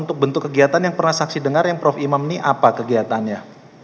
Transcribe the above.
untuk bentuk kegiatan yang pernah saksi dengar yang prof imam ini apa kegiatannya